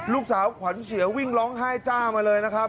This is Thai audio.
ลูกสาวขวัญเสือวิ่งร้องไห้จ้ามาเลยนะครับ